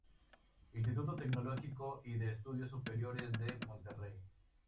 Instituto Tecnológico y de Estudios Superiores de Monterrey.